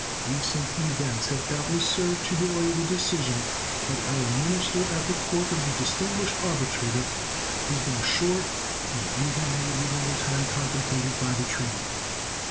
Recent events have doubtless served to delay the decision, but our minister at the Court of the distinguished arbitrator has been assured that it will be made within the time contemplated by the treaty.